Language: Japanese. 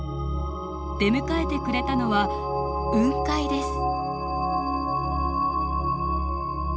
出迎えてくれたのは雲海です。